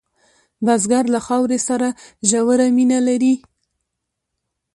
بزګر له خاورې سره ژوره مینه لري